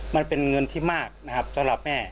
มันเป็นเงินที่มากนะครับสำหรับแม่